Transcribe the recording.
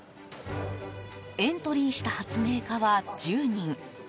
エントリーした発明家は１０人。